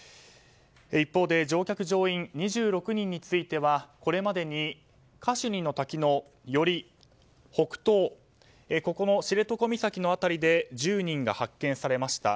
一方で乗客・乗員２６人についてはこれまでにカシュニの滝のより北東ここの知床岬の辺りで１０人が発見されました。